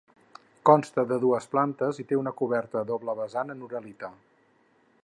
Consta de dues plantes i té una coberta a doble vessant en uralita.